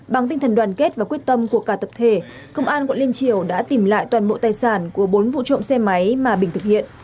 bằng tinh thần đoàn kết và quyết tâm của cả tập thể công an quận liên triều đã tìm lại toàn bộ tài sản của bốn vụ trộm xe máy mà bình thực hiện